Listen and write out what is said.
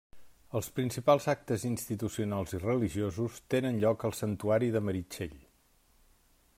Els principals actes institucionals i religiosos tenen lloc al Santuari de Meritxell.